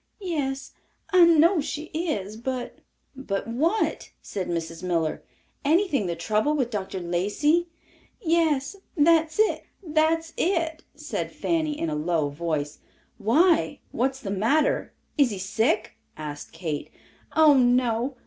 "Yes, I know she is, but—" "But what?" said Mrs. Miller. "Anything the trouble with Dr. Lacey?" "Yes, that's it! That's it!" said Fanny in a low voice. "Why, what's the matter? Is he sick?" asked Kate. "Oh, no.